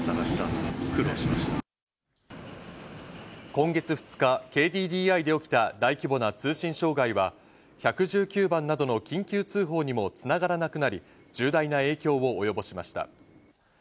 今月２日、ＫＤＤＩで起きた大規模な通信障害は、１１９番などの緊急通報にも繋がらなくなり、重大な影響をおよぼしました。